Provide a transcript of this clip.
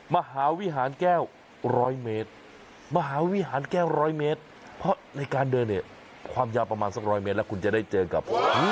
มหาวิหารแก้วร้อยเมตรเพราะในการเดินความยาวประมาณสักร้อยเมตรแล้วคุณจะได้เจอกับ